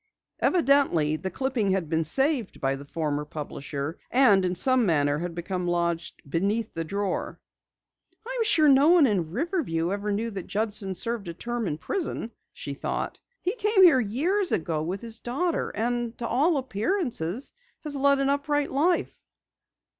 Evidently the clipping had been saved by the former publisher, and in some manner had become lodged beneath the drawer. "I'm sure no one in Riverview ever knew that Judson served a term in prison," she thought. "He came here years ago with his daughter, and to all appearances had led an upright life."